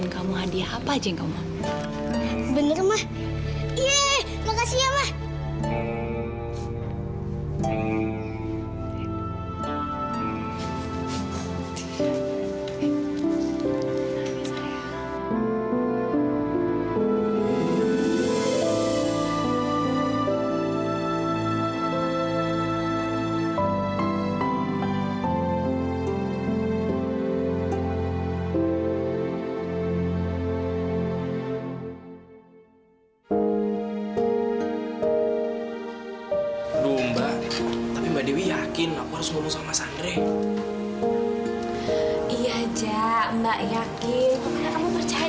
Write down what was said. sampai jumpa di video selanjutnya